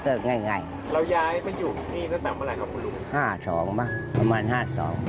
เราย้ายมาอยู่ที่นี่ตั้งแต่เมื่อไหร่ครับคุณลุง